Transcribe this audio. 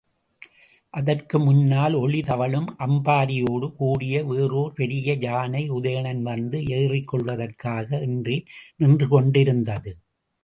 அதற்கு முன்னால் ஒளி தவழும் அம்பாரியோடு கூடிய வேறோர் பெரிய யானை உதயணன் வந்து ஏறிக்கொள்ளுவதற்காக என்றே நின்றுகொண்டிருந்தது.